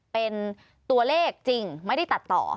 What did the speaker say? เป็นตัวเลขจริงไม่ได้ตัดต่อ